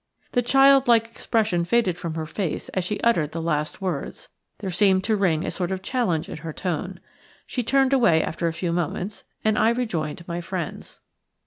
The childlike expression faded from her face as she uttered the last words. There seemed to ring a sort of challenge in her tone. She turned away after a few moments and I rejoined my friends.